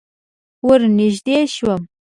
ور نږدې شوم.